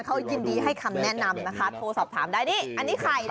เขายินดีให้คำแนะนำนะคะโทรศัพท์ถามได้นี่นี่ไข่เหรอ